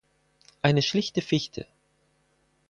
Eine schlichte Fichte.